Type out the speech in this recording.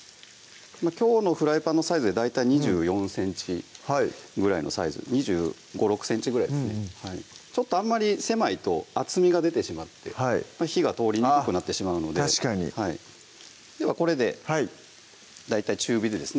きょうのフライパンのサイズで大体２４ｃｍぐらいのサイズ２５２６ｃｍぐらいですねあんまり狭いと厚みが出てしまって火が通りにくくなってしまうので確かにではこれで大体中火でですね